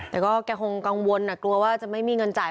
แต่ก็แกคงกังวลกลัวว่าจะไม่มีเงินจ่าย